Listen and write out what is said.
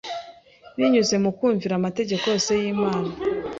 Binyuze mu kumvira amategeko yose y’Imana,